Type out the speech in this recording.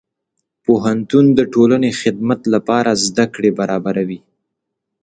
پوهنتون د ټولنې خدمت لپاره زدهکړې برابروي.